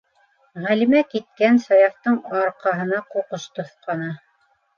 Ғәлимә киткән Саяфтың арҡаһына ҡуҡыш тоҫҡаны.